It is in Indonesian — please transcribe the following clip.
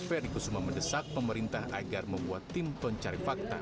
ferry kusuma mendesak pemerintah agar membuat tim pencari fakta